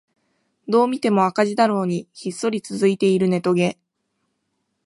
どう見ても赤字だろうにひっそり続いているネトゲ